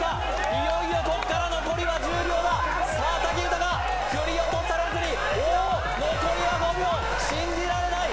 いよいよここから残りは１０秒ださあ武豊振り落とされずにおお残りは５秒信じられない！